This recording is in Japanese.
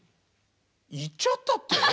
行っちゃったって？